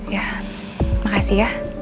ya makasih ya